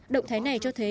động thái này cho thấy